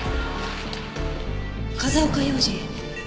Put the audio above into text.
風丘洋二。